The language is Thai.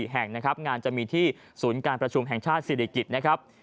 แห่งนะครับงานจะมีที่ศูนย์การประชุมแห่งชาติศิริกิจนะครับ